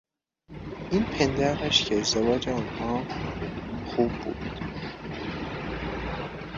این پندارش که ازدواج آنها خوب بود...